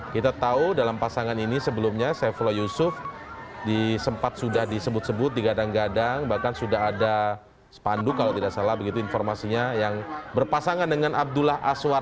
kita tahu dalam pasangan ini sebelumnya saifullah yusuf disempat sudah disebut sebut digadang gadang bahkan sudah ada spanduk kalau tidak salah begitu informasinya yang berpasangan dengan abdullah aswar